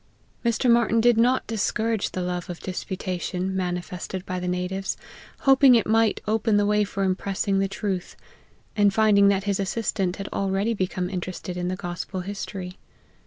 Mr. Martyn did not discourage the love of dispu tation manifested by the natives, hoping it might open the way for impressing the truth, and finding that his assistant had already become interested in the gospel history.